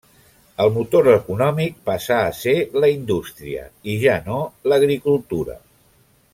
El motor econòmic passà a ser la indústria, i ja no l'agricultura.